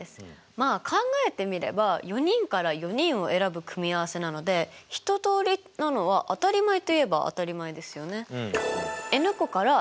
まあ考えてみれば４人から４人を選ぶ組合せなので１通りなのは当たり前といえば当たり前ですよね。